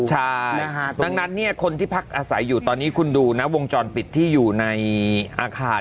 ใช่ดังนั้นคนที่พักอาศัยอยู่ตอนนี้คุณดูนะวงจรปิดที่อยู่ในอาคาร